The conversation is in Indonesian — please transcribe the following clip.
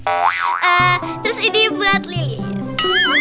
oh terus ini buat lilis